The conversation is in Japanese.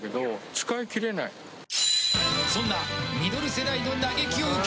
そんなミドル世代の嘆きを受け